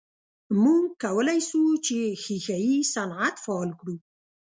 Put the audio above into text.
موږ کولای سو چې ښیښه یي صنعت فعال کړو.